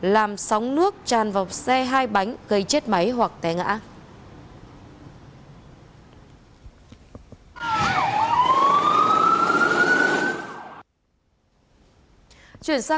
làm sóng nước tràn vào xe hai bánh gây chết máy hoặc té ngã